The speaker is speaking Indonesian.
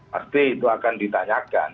pasti itu akan ditanyakan